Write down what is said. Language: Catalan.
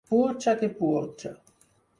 Burxa que burxa.